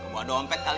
buat dompet kali